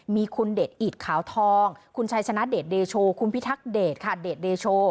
มีคุณเดชอิดขาวทองคุณชัยชนะเดชเดโชคุณพิทักเดชค่ะเดชเดโช